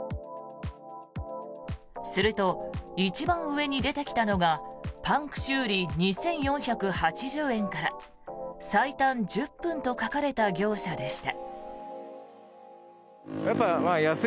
すると、一番上に出てきたのがパンク修理２４８０円から最短１０分と書かれた業者でした。